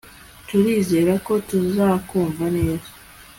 Turizera ko tuzakumva neza